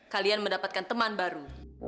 kalian mendapatkan teman baru